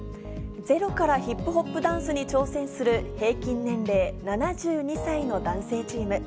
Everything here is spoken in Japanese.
ゼロからヒップホップダンスに挑戦する平均年齢７２歳の男性チーム。